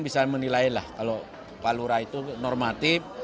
bisa menilai lah kalau pak lura itu normatif